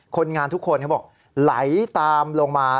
คนงานทุกคนเขาบอกไหลตามลงมา